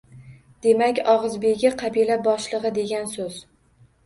Demak, “O’g’iz begi” – qabila boshlig’i degan so’z.